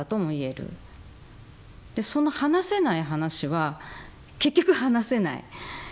でその話せない話は結局話せない。